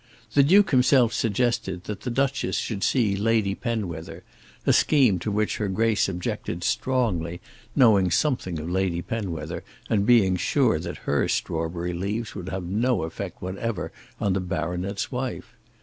The Duke himself suggested that the Duchess should see Lady Penwether, a scheme to which her Grace objected strongly, knowing something of Lady Penwether and being sure that her strawberry leaves would have no effect whatever on the baronet's wife.